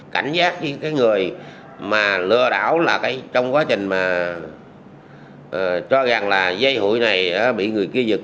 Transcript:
cảnh giác khi cái người mà lừa đảo là cái trong quá trình mà cho gần là dây hụi này bị người kia giật